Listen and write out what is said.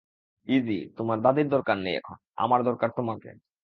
ইযি, তোমার দাদীর দরকার নেই, এখন, আমার দরকার তোমাকে।